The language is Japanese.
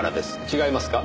違いますか？